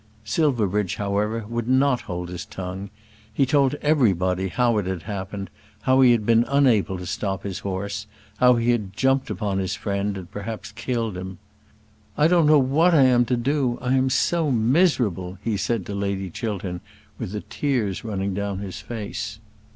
Silverbridge however would not hold his tongue. He told everybody how it had happened, how he had been unable to stop his horse, how he had jumped upon his friend, and perhaps killed him. "I don't know what I am to do. I am so miserable," he said to Lady Chiltern with the tears running down his face.